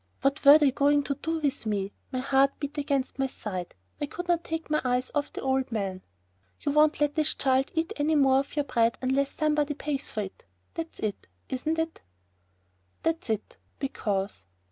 What were they going to do with me? My heart beat against my side, I could not take my eyes off the old man. "You won't let this child eat any more of your bread unless somebody pays for it, that's it, isn't it?" "That's it ... because...."